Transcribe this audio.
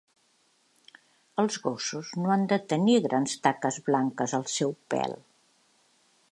Els gossos no han de tenir grans taques blanques al seu pèl.